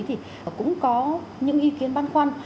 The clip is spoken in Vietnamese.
thì cũng có những ý kiến băn khoăn